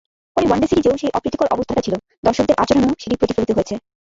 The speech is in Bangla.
পরে ওয়ানডে সিরিজেও সেই অপ্রীতিকর অবস্থাটা ছিল, দর্শকদের আচরণেও সেটি প্রতিফলিত হয়েছে।